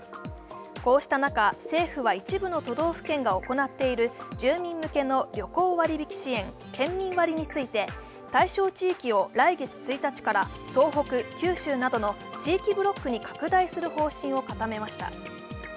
こうした中、政府は一部の都道府県が行っている住民向けの旅行割引支援・県民割について対象地域を来月１日から東北・九州などの地域ブロックに拡大する方針を固めました。